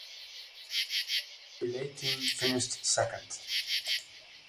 His relay team finished second.